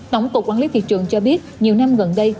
tổng cục quản lý thị trường cho biết nhiều năm gần đây